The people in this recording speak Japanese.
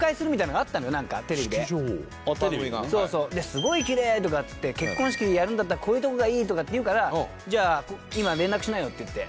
「すごいきれい！」とか言って「結婚式やるんだったらこういう所がいい！」とかって言うからじゃあ「今連絡しなよ」って言って。